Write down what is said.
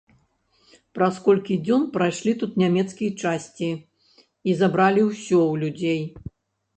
Праз колькі дзён прайшлі тут нямецкія часці і забралі ўсё ў людзей.